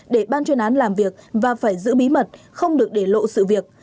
để ban chuyên án làm việc và phải giữ bí mật không được để lộ sự việc